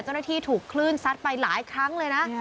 เจ้าหน้าที่ถูกคลื่นซัดไปหลายครั้งเลยนะ